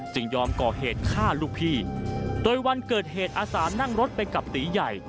ยอมก่อเหตุฆ่าลูกพี่โดยวันเกิดเหตุอาสานั่งรถไปกับตีใหญ่